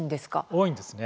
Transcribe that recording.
多いんですね。